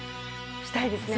したいですね。